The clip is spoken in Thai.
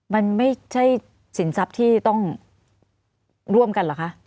มันไม่ใช่สินทรัพย์ที่ต้องร่วมกันเหรอคะ